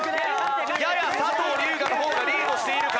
やや佐藤龍我の方がリードしているか？